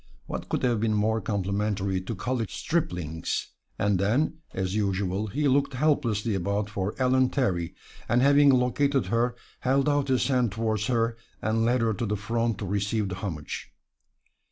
What could have been more complimentary to college striplings? And then, as usual, he looked helplessly about for Ellen Terry, and having located her, held out his hand toward her and led her to the front to receive the homage.